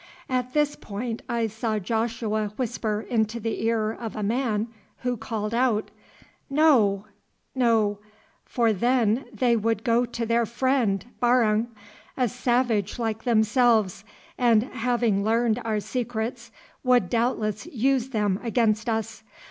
At this point I saw Joshua whisper into the ear of a man, who called out:— "No, no, for then they would go to their friend, Barung, a savage like themselves, and having learned our secrets, would doubtless use them against us.